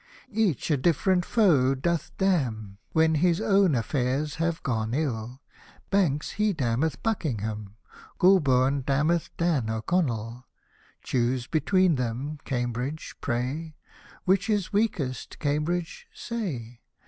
Each a different foe doth damn, When his own affairs have gone ill ; B — kes he damneth Buckingham, G — lb — n damneth Dan O'Connell Choose between them, Cambridge, pray Which is weakest, Cambridge, say.